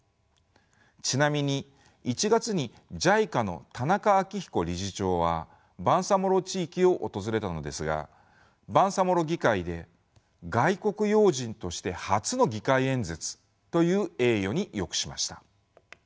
ちなみに１月にＪＩＣＡの田中明彦理事長はバンサモロ地域を訪れたのですがバンサモロ議会で外国要人として初の議会演説という栄誉に浴しました。